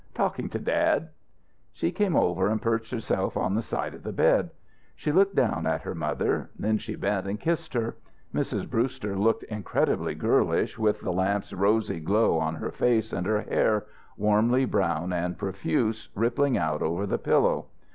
"Talking to dad." She came over and perched herself on the side of the bed. She looked down at her mother. Then she bent and kissed her. Mrs. Brewster looked incredibly girlish with the lamp's rosy glow on her face and her hair, warmly brown and profuse, rippling out over the pillow.